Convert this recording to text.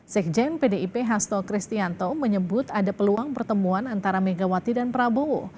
sekjen pdip hasto kristianto menyebut ada peluang pertemuan antara megawati dan prabowo